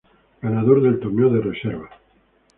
Ganador del torneo de reservas.